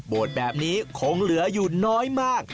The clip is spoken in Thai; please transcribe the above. แบบนี้คงเหลืออยู่น้อยมาก